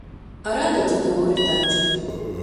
Ar adatu dūri taču.